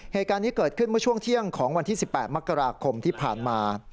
เหตุการณ์นี้เกิดขึ้นเมื่อช่วงเที่ยงของวันที่๑๘มกราคมที่ผ่านมา